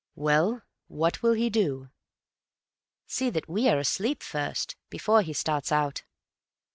Well, what will he do?" "See that we are asleep first, before he starts out."